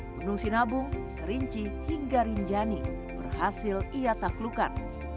gunung sinabung kerinci hingga rinjani berhasil ia taklukkan